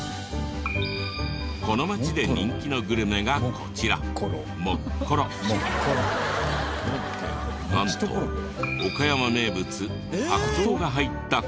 この町で人気のグルメがこちらなんと岡山名物白桃が入ったコロッケで。